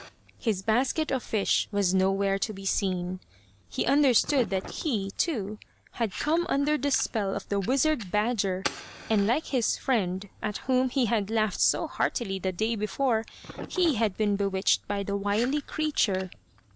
His basket of fish was nowhere to be seen. He understood, that he, too, had come under the spell of the wizard badger, and like his friend, at whom he had laughed so heartily the day before, he had been bewitched by the wily creature.